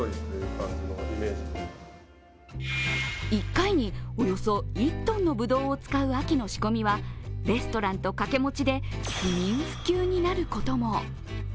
１回におよそ１ｔのぶどうを使う秋の仕込みはレストランと掛け持ちで不眠不休になることも。